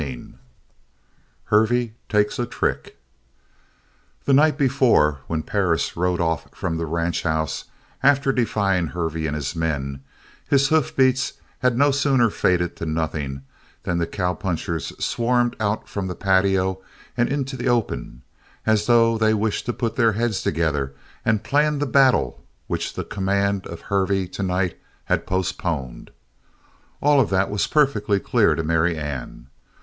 CHAPTER XIX HERVEY TAKES A TRICK The night before, when Perris rode off from the ranchhouse after defying Hervey and his men, his hoofbeats had no sooner faded to nothing than the cowpunchers swarmed out from the patio and into the open; as though they wished to put their heads together and plan the battle which the command of Hervey, to night, had postponed. All of that was perfectly clear to Marianne.